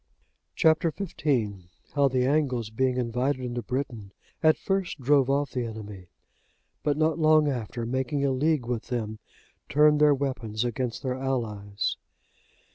Chap. XV. How the Angles, being invited into Britain, at first drove off the enemy; but not long after, making a league with them, turned their weapons against their allies.